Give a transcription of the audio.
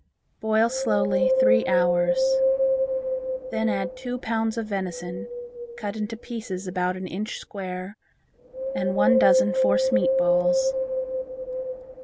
Boil slowly three hours. Then add two pounds of venison, cut into pieces about an inch square and one dozen force meat balls.